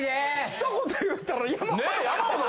ひと言言うたら山ほど。